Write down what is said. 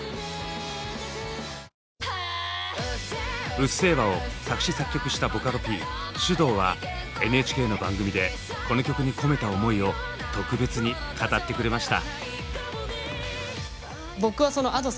「うっせぇわ」を作詞作曲したボカロＰｓｙｕｄｏｕはＮＨＫの番組でこの曲に込めた思いを特別に語ってくれました。